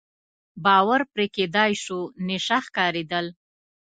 باور پرې کېدای شو، نشه ښکارېدل.